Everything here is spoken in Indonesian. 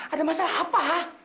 ada masalah apa